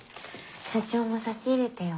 社長も差し入れてよ